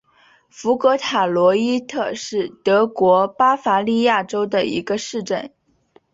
福格塔罗伊特是德国巴伐利亚州的一个市镇。